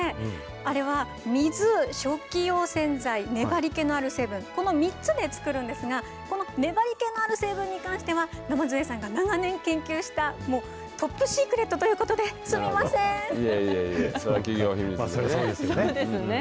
あれは、水、食器用洗剤、粘りけのある成分、この３つで作るんですが、この粘りけのある成分については、鯰江さんが長年研究した、トップシークレットということで、いえいえ、そりゃ企業秘密でそりゃそうですよね。